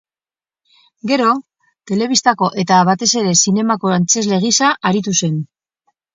Gero, telebistako eta, batez ere, zinemako antzezle gisa aritu zen.